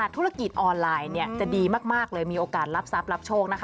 ธุรกิจออนไลน์จะดีมากเลยมีโอกาสรับทรัพย์รับโชคนะคะ